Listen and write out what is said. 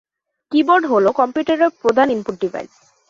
Keyboard হলো কম্পিউটারের প্রধান ইনপুট ডিভাইস।